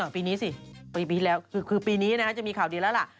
ปีนี้สิปีที่แล้วคือปีนี้จะมีข่าวดีแล้วล่ะ